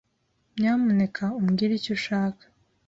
Nyamuneka umbwire icyo ushaka